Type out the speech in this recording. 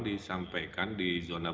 disampaikan di zona